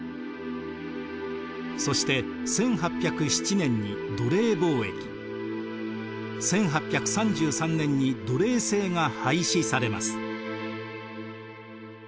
そして１８０７年に奴隷貿易１８３３年に奴隷制が廃止されます。